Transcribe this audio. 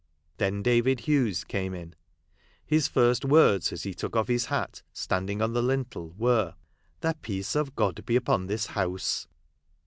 Then David Hughes came in. His first words, as he took off his hat, standing on the lintel, were —" The peace of God be upon this house."